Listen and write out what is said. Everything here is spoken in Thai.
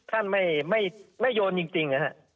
ท่านไม่โยนจริงนะฮะ